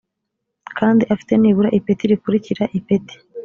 kandi afite nibura ipeti rikurikira ipeti